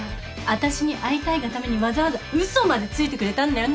私に会いたいがためにわざわざ嘘までついてくれたんだよ。